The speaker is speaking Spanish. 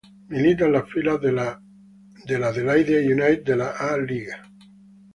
Milita en las filas de el Adelaide United de la A-League.